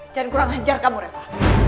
jangan kurang hajar kamu reta